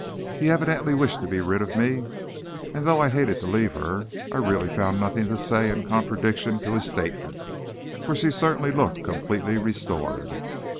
He evidently wished to be rid of me, and though I hated to leave her, I really found nothing to say in contradiction to his statement, for she certainly looked completely restored.